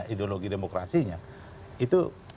ideologi demokrasinya itu